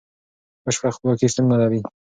بشپړه خپلواکي شتون نلري.